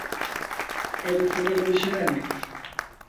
¿Quere falar de xenéricos?